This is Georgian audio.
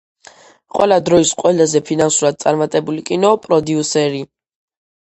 ყველა დროის ყველაზე ფინანსურად წარმატებული კინო პროდიუსერი.